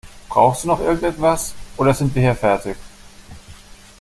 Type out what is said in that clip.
Brauchst du noch irgendetwas oder sind wir hier fertig?